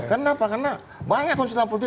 kenapa karena banyak konsultan putih